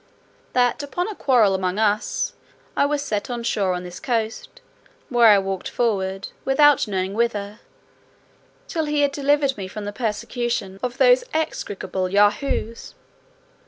That upon a quarrel among us, I was set on shore on this coast, where I walked forward, without knowing whither, till he delivered me from the persecution of those execrable Yahoos."